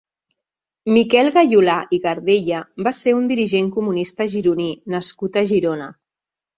Miquel Gayolà i Gardella va ser un dirigent comunista gironí nascut a Girona.